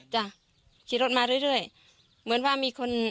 จ้ะขี่รถมาเรื่อย